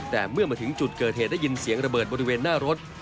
แต่เมื่อมาถึงจุดเกิดเหตุได้ยินเสียงระเบิดบริเวณหน้ารถ